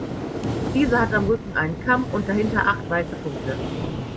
Diese hat am Rücken einen Kamm und dahinter acht weiße Punkte.